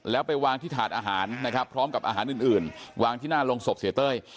แล้วไปวางที่ถาดอาหารนะครับพร้อมกับอาหารอื่นวางที่หน้าโรงศพเสียเต้ย